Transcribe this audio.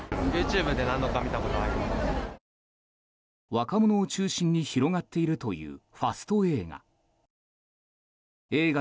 若者を中心に広がっているという、ファスト映画。